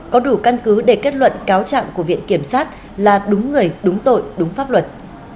có đủ căn cứ để kết luận cáo trạng của viện kiểm sát là đúng người đúng tội đúng pháp luật